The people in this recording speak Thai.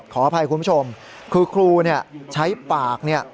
ขออภัยคุณผู้ชมคือครูเนี่ยใช้ปากเนี่ย